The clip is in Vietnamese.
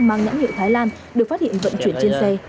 mang nhãn hiệu thái lan được phát hiện vận chuyển trên xe